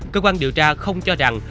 cơ quan điều tra không cho rằng